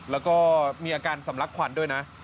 แล้วก็มีอาการสำลักขวัญด้วยนะ